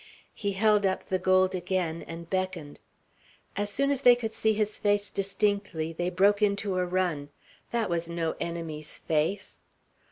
He held up the gold again, and beckoned. As soon as they could see his face distinctly, they broke into a run. That was no enemy's face.